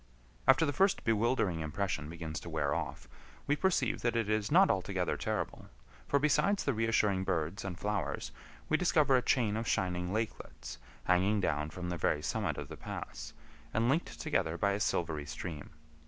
After the first bewildering impression begins to wear off, we perceive that it is not altogether terrible; for besides the reassuring birds and flowers we discover a chain of shining lakelets hanging down from the very summit of the pass, and linked together by a silvery stream.